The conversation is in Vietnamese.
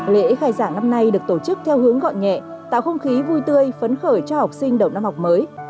lễ khai giảng năm nay được tổ chức theo hướng gọn nhẹ tạo không khí vui tươi phấn khởi cho học sinh đầu năm học mới